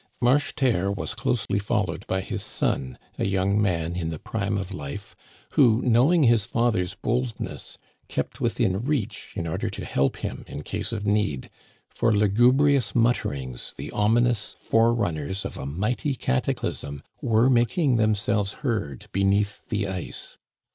" Marcheterre was closely followed by his son, a young man in the prime of life, who, knowing his father's bold ^ ness, kept within reach in order to help him in case of need, for lugubrious mutterings, the ominous forerun ners of a mighty cataclysm, were making themselves heard beneath the ice.